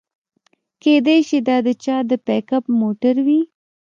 کیدای شي دا د چا د پیک اپ موټر وي